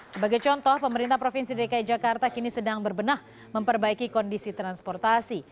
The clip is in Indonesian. sebagai contoh pemerintah provinsi dki jakarta kini sedang berbenah memperbaiki kondisi transportasi